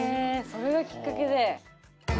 それがきっかけで。